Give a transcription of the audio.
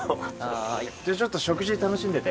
じゃあちょっと食事楽しんでて。